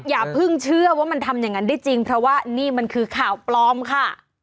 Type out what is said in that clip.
อย่าเพิ่งเชื่อว่ามันทำอย่างนั้นได้จริงเพราะว่านี่มันคือข่าวปลอมค่ะ